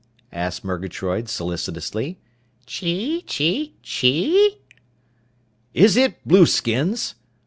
_" asked Murgatroyd solicitously. "Chee chee chee?" "Is it blueskins?"